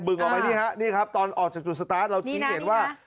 บึงออกไปนี่ครับตอนออกจากจุดสตาร์ทเราทิ้งเห็นว่า